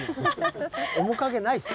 面影ないっす。